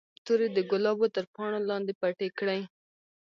تورې د ګلابو تر پاڼو لاندې پټې کړئ.